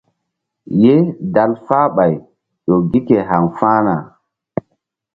Ye dal falɓay ƴo gi ke haŋfa̧hna.